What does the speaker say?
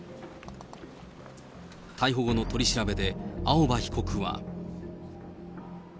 逮捕後の取り調べで青葉被告は。